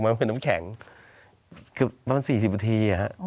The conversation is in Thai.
ขึ้นอีก๔๐ประถี